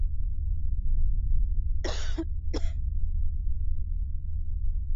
Amasomero amakuukuutivu agaluddewo mu kitundu.